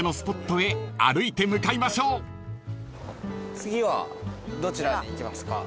次はどちらに行きますか？